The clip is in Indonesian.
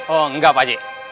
oh enggak pak ji